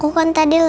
kau aku ada di rumah